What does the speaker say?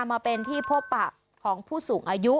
มาเป็นที่พบปะของผู้สูงอายุ